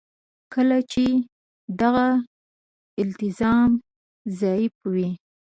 کله چې دغه التزام ضعیف وي.